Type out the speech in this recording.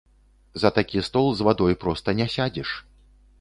За такі стол з вадой проста не сядзеш.